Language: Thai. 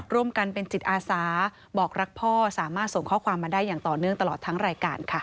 ร่วมกันเป็นจิตอาสาบอกรักพ่อสามารถส่งข้อความมาได้อย่างต่อเนื่องตลอดทั้งรายการค่ะ